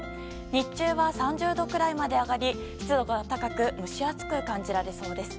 日中は３０度くらいまで上がり湿度が高く蒸し暑く感じられそうです。